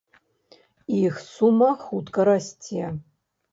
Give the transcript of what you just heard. Іх сума хутка расце.